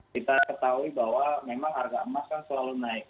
kita ketahui bahwa memang harga emas kan selalu naik